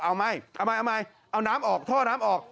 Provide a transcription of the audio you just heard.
เอาไม่เอาน้ำออกท่อน้ำออก